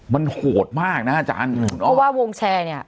มันโหดมากนะอาจารย์เพราะว่าวงแชร์เนี่ย